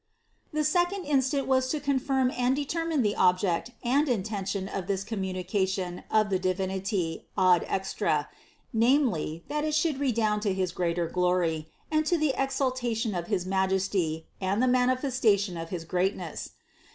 54 CITY OF GOD 38. The second instant was to confirm and determine the object and intention of this communication of the Divinity ad extra, namely, that it should redound to his greater glory and to the exaltation of his Majesty and the manifestation of his greatness.